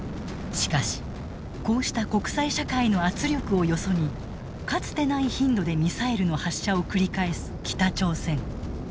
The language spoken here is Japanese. しかしこうした国際社会の圧力をよそにかつてない頻度でミサイルの発射を繰り返す北朝鮮。